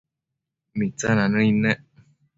Mitsina nëid nec